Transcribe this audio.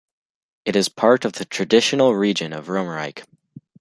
It is part of the traditional region of Romerike.